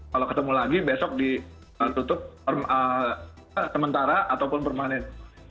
kalau ketemu lagi besok ditutup sementara ataupun permanen